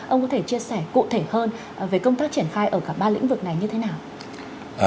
ông có thể chia sẻ cụ thể hơn về công tác triển khai ở cả ba lĩnh vực này như thế nào